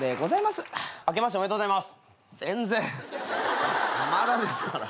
まだですから。